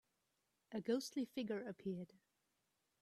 A ghostly figure appeared.